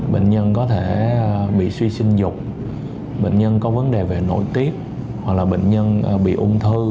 bệnh nhân có thể bị suy sinh dục bệnh nhân có vấn đề về nội tiết hoặc là bệnh nhân bị ung thư